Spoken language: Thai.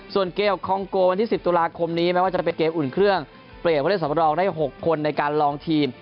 ส่วนเกมคองโกวันที่๑๐ตุลาคมนี้ไม่ว่าจะเป็นเกมอุ่นเครื่องเปลี่ยนผู้เล่นสำรองได้๖คนในการลองทีม